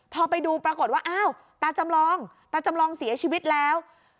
พอไปดูปรากฏว่าอ้าวตาจำลองตาจำลองเสียชีวิตแล้ว